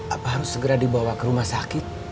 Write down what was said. apa harus segera dibawa ke rumah sakit